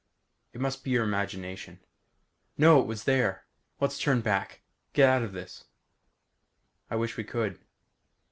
"It must be your imagination." "No. It was there. Let's turn back. Get out of this." "I wish we could."